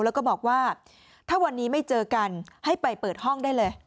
แล้วก็บอกว่าถ้าวันนี้ไม่เจอกันให้ไปเปิดห้องได้เลย